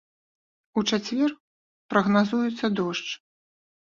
У чацвер прагназуецца дождж.